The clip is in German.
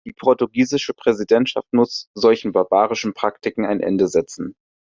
Die portugiesische Präsidentschaft muss solchen barbarischen Praktiken ein Ende setzen.